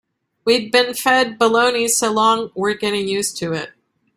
We've been fed baloney so long we're getting used to it.